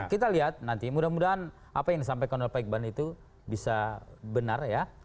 kita lihat nanti mudah mudahan apa yang disampaikan oleh pak iqbal itu bisa benar ya